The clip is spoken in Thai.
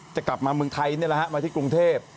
จะกลับมาเมืองไทยนี่แหละฮะมาที่กรุงเทพ